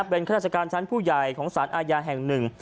เป็นข้าราชการชั้นผู้ใหญ่ของสารอาญาแห่งหนึ่ง